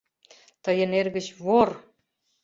— Тыйын эргыч вор!..